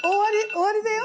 終わりだよ。